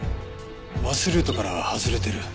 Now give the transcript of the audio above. バスルートから外れてる。